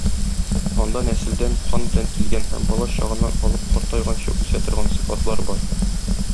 Анда нәселдән "кан" белән килгән һәм бала чагыннан алып картайганчы үсә торган сыйфатлар бар.